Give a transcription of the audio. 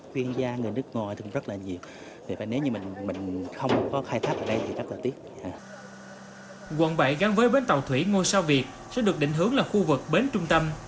quận bảy gắn với bến tàu thủy ngôi sao việt sẽ được định hướng là khu vực bến trung tâm